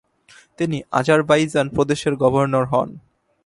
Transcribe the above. তিনি আজারবাইজান প্রদেশের গভর্নর হন।